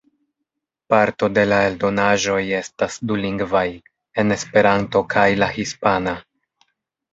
Parto de la eldonaĵoj estas dulingvaj, en Esperanto kaj la hispana.